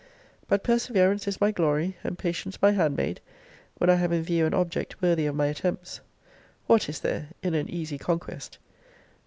But perseverance is my glory, and patience my handmaid, when I have in view an object worthy of my attempts. What is there in an easy conquest?